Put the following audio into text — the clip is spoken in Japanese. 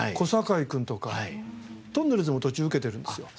とんねるずも途中受けてるんですよ。